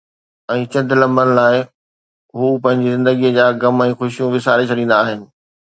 ۽ چند لمحن لاءِ هو پنهنجي زندگيءَ جا غم ۽ خوشيون وساري ڇڏيندا آهن.